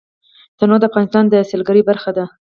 تنوع د افغانستان د سیلګرۍ برخه ده.